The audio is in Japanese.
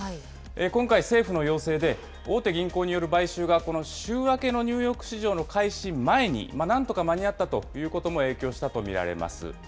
今回、政府の要請で大手銀行による買収が、この週明けのニューヨーク市場の開始前になんとか間に合ったということも影響したと見られます。